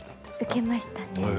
受けました。